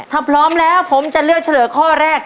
ถ้าพร้อมแล้วผมจะเลือกเฉลยข้อแรก